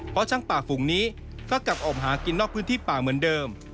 เพราะช่างป่าฝูงนี้ก็กลับออกหากินนอกพื้นที่ป่าเหมือนเดิม